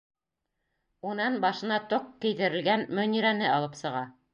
Унан башына тоҡ кейҙерелгән Мөнирәне алып сыға.